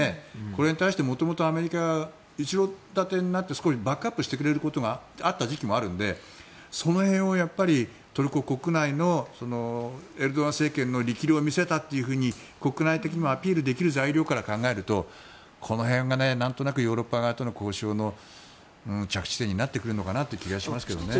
これに対して元々アメリカは後ろ盾になって少しバックアップしてくれる時期もあったりしたのでその辺をトルコ国内のエルドアン政権の力量を見せたと国内的にもアピールできる材料から考えるとこの辺がなんとなくヨーロッパ側との交渉の着地点になってくる気がしますけどね。